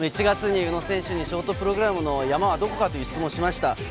１月に宇野選手にショートプログラムの山はどこかという質問をしました。